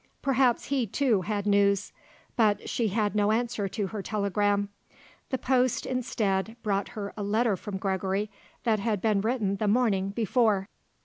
Perhaps he, too, had news. But she had no answer to her telegram. The post, instead, brought her a letter from Gregory that had been written the morning before.